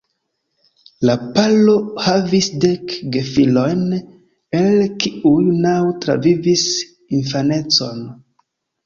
La paro havis dek gefilojn, el kiuj naŭ travivis infanecon.